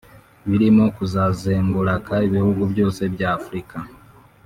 birimo kuzazenguraka ibihugu byose bya Afurika